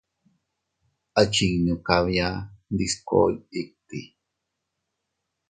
Achinnu kabia ndiskoy itti.